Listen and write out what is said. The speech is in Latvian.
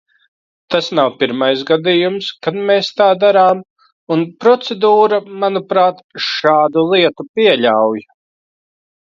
Tas nav pirmais gadījums, kad mēs tā darām, un procedūra, manuprāt, šādu lietu pieļauj.